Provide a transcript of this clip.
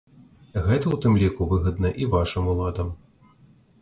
Гэта, у тым ліку, выгадна і вашым уладам.